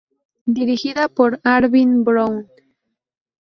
Dirigida por Arvin Brown.